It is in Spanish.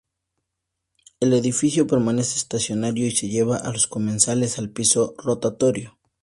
El edificio permanece estacionario y se lleva a los comensales al piso rotatorio.